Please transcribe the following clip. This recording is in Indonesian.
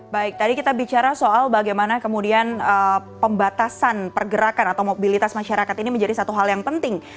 baik tadi kita bicara soal bagaimana kemudian pembatasan pergerakan atau mobilitas masyarakat ini menjadi satu hal yang penting